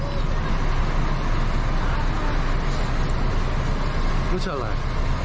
ไม่ใช่อะไร